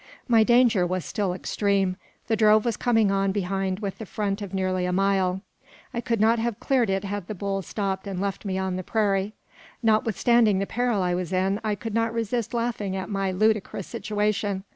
My danger was still extreme. The drove was coming on behind with the front of nearly a mile. I could not have cleared it had the bull stopped and left me on the prairie. Nothwithstanding the peril I was in, I could not resist laughing at my ludicrous situation.